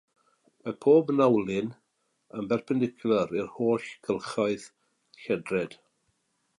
Mae pob nawnlin yn berpendicwlar i'r holl cylchoedd lledred.